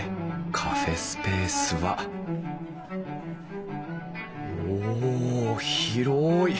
カフェスペースはおお広い！